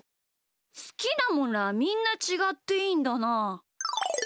すきなものはみんなちがっていいんだな。